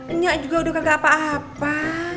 enyak juga udah kagak apa apa